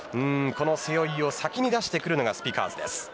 この背負を先に出してくるのがスピカーズです。